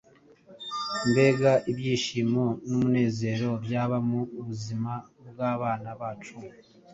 mbega ibyishimo n’umunezero byaba mu buzima bw’abana bacu